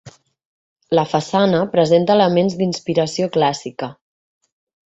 La façana presenta elements d'inspiració clàssica.